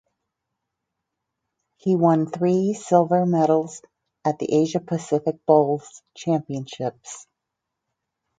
He won three silver medals at the Asia Pacific Bowls Championships.